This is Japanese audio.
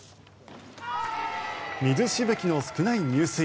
水しぶきの少ない入水。